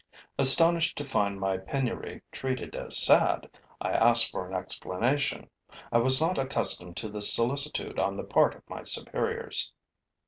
Astonished to find my penury treated as sad, I ask for an explanation: I was not accustomed to this solicitude on the part of my superiors.